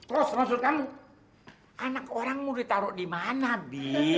ros maksud kamu anak orang mau ditaruh di mana